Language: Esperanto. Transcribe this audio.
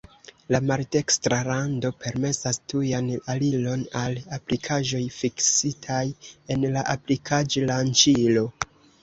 La maldekstra rando permesas tujan aliron al aplikaĵoj fiksitaj en la aplikaĵ-lanĉilo.